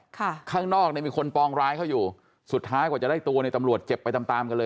ข้างนอกเนี่ยมีคนปองร้ายเขาอยู่สุดท้ายกว่าจะได้ตัวในตำรวจเจ็บไปตามตามกันเลย